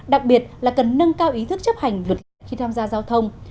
đặc biệt là cần nâng cao ý thức chấp hành lực lượng khi tham gia giao thông